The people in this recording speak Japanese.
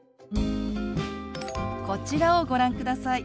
こちらをご覧ください。